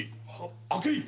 開けい。